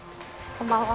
こんばんは。